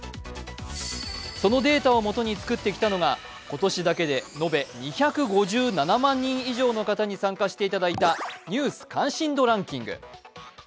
そのデータをもとに作ってきたのが今年だけで延べ２５７万人以上に参加していただいた「ニュース関心度ランキング」。